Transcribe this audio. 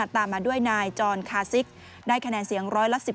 ตามมาด้วยนายจรคาซิกได้คะแนนเสียง๑๑